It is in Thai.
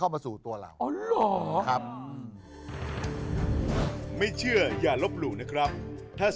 คิกคิกคิกคิกคิกคิกคิกคิก